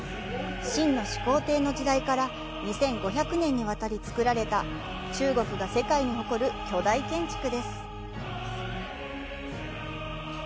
秦の始皇帝の時代から２５００年にわたり造られた中国が世界に誇る巨大建築です。